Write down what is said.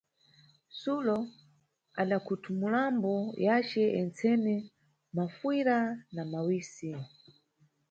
Sulo adakhuthumulambo yace yensene, mafuyira na mawisi.